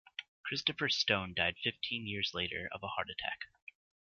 Christopher Stone died fifteen years later of a heart attack.